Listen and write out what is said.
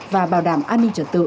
và bảo đảm an ninh trật tự